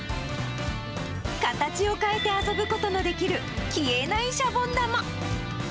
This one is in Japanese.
形を変えて遊ぶことのできる消えないシャボン玉。